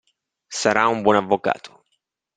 Sarà un buon avvocato.